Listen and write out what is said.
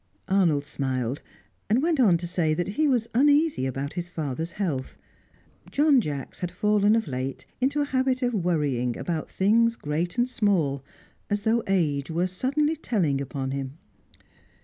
Arnold smiled, and went on to say that he was uneasy about his father's health. John Jacks had fallen of late into a habit of worry about things great and small, as though age were suddenly telling upon him.